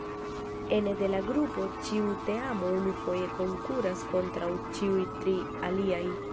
Ene de la grupo ĉiu teamo unufoje konkuras kontraŭ ĉiuj tri aliaj.